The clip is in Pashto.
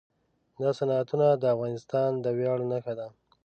دا صنعتونه د افغانستان د ویاړ نښه ده.